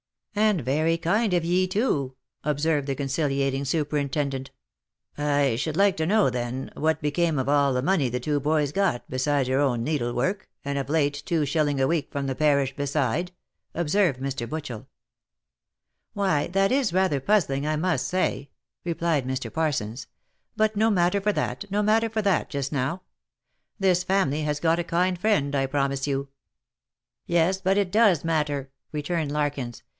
" And very kind of ye too," observed the conciliating superin tendent. " I should like to know, then, what became of all the money the two boys got, besides her own needlework, and, of late, two shilling a week from the parish, beside?" observed Mr. Butchel. " Why, that is rather puzzling, I must say," replied Mr. Parsons, " but no matter for that, no matter for that, just now. This family have got a kind friend, I promise you." " Yes, but it does matter," returned Larkins.